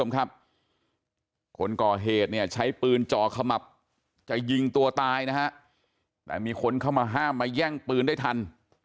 คนก่อเหตุใช้ปืนจอขมับจะยิงตัวตายแต่มีคนเข้ามาห้ามมาแย่งปืนได้ทัน